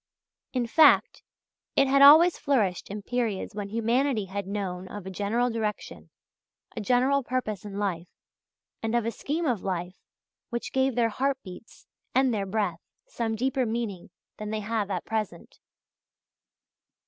In fact, it had always flourished in periods when humanity had known of a general direction, a general purpose in life, and of a scheme of life which gave their heart beats and their breath some deeper meaning than they have at present.